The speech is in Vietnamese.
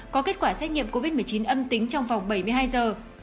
có kết quả xét nghiệm covid một mươi chín âm tính trong vòng bảy mươi hai giờ